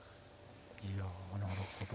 いやなるほど。